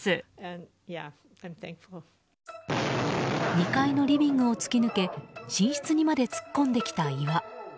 ２階のリビングを突き抜け寝室にまで突っ込んできた岩。